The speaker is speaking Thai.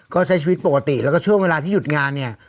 ก็ใช้ชีวิตปกติแล้วก็ช่วงเวลาที่หยุดงานเนี่ย